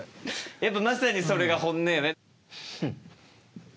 やっぱまさにそれが本音よね。